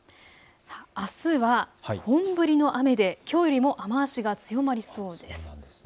あすは本降りの雨できょうよりも雨足が強まりそうです。